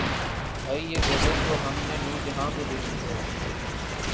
بھئی یہ غزل تو ہم نے نور جہاں کو دے دی ہے